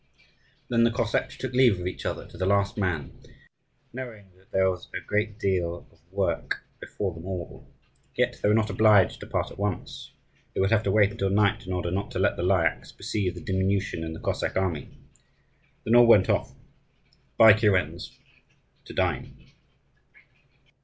Then the Cossacks took leave of each other to the last man, knowing that there was a great deal of work before them all. Yet they were not obliged to part at once: they would have to wait until night in order not to let the Lyakhs perceive the diminution in the Cossack army. Then all went off, by kurens, to dine.